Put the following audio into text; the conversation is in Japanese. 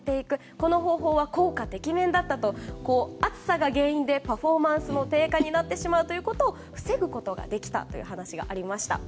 この方法は効果てきめんだったと暑さが原因でパフォーマンス低下になってしまうことを防ぐことができたという話がありました。